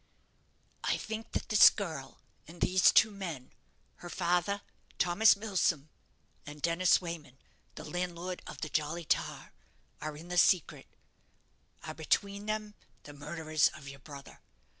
"_I think that this girl and these two men, her father, Thomas Milsom, and Dennis Wayman, the landlord of the 'Jolly Tar', are in the secret are, between them, the murderers of your brother.